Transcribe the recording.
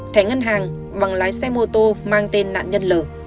thẻ ngân hàng bằng lái xe mô tô mang tên nạn nhân l